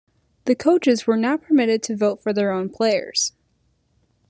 The coaches were not permitted to vote for their own players.